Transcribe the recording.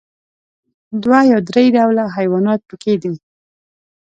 دوه یا درې ډوله حيوانات پکې دي.